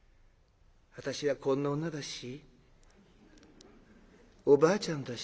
私はこんな女だしおばあちゃんだし」。